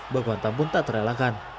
baguantapun tak terelakkan